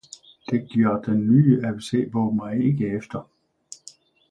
det gjør den nye Abc-Bog mig ikke efter!